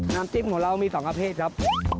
น้ำจิ้มของเรามี๒ประเภทครับ